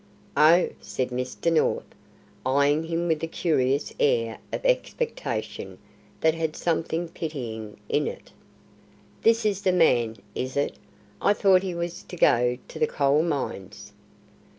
"Oh," said Mr. North, eyeing him with a curious air of expectation that had something pitying in it. "This is the man, is it? I thought he was to go to the Coal Mines."